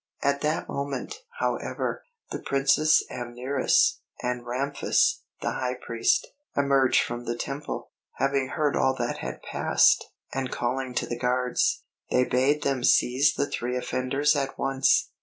At that moment, however, the Princess Amneris, and Ramphis, the High Priest, emerged from the Temple, having heard all that had passed; and calling to the guards, they bade them seize the three offenders at once.